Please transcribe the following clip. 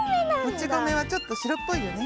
もちごめはちょっとしろっぽいよね。